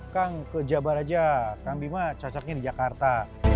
kang ke jabar aja kang bima cocoknya di jakarta